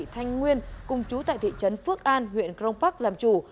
đỗ thị thành nguyên cung chú tại thị trấn phước an huyện crong park làm chủ